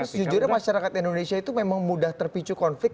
tapi sejujurnya masyarakat indonesia itu memang mudah terpicu konflik